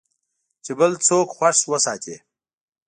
چې بل څوک خوښ وساتې .